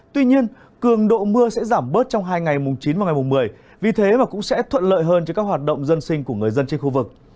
tuy nhiên cường độ mưa sẽ giảm bớt trong hai ngày mùng chín và ngày mùng một mươi vì thế mà cũng sẽ thuận lợi hơn cho các hoạt động dân sinh của người dân trên khu vực